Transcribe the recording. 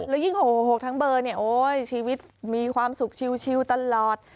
แล้วยิ่ง๖๖ทั้งเบอร์เนี่ยโอ๊ยชีวิตมีความสุขชิวตลอด